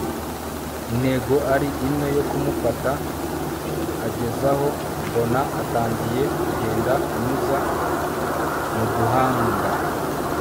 intego ari imwe yo kumufata, agezaho mbona atangiye kugenda anyuza muduhanda